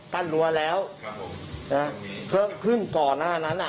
กั้นรั้วแล้วเพราะขึ้นก่อนหน้านั้นอะ